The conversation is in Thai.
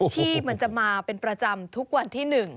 ที่มันจะมาเป็นประจำทุกวันที่๑